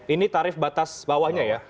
ini tarif batas bawahnya ya